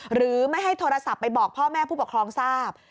หรือไม่ให้โทรศัพท์ไปบอกพ่อแม่ผู้ปกครองทราบ